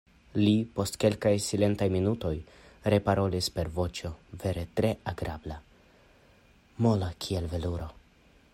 Li, post kelkaj silentaj minutoj, reparolis per voĉo vere tre agrabla, mola kiel veluro: